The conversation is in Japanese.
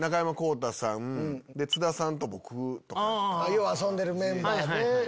よう遊んでるメンバーで。